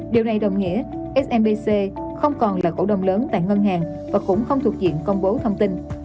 điều này đồng nghĩa smbc không còn là cổ đồng lớn tại ngân hàng và cũng không thuộc diện công bố thông tin